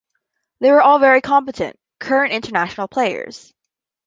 They were all very competent, current international players.